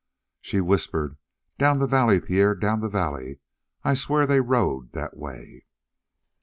She whispered: "Down the valley, Pierre; down the valley; I swear they rode that way."